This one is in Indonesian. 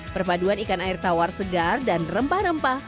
perpaduan ikan air tawar segar dan rempah rempah